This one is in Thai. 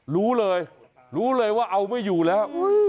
รู้เลยรู้เลยว่าเอาไม่อยู่แล้ว